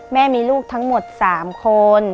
แม่มีลูกทั้งหมด๓คน